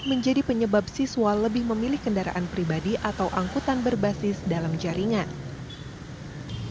menjadi penyebab siswa lebih memilih kendaraan pribadi atau angkutan berbasis dalam jaringan